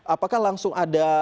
apakah langsung ada